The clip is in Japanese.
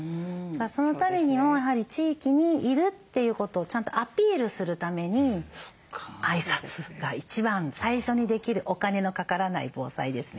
そのためにもやはり地域にいるということをちゃんとアピールするために挨拶が一番最初にできるお金のかからない防災ですね。